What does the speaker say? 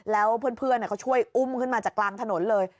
แล้วเพื่อนเขาช่วยอุ้มขึ้นมาจากกลางถนนเลย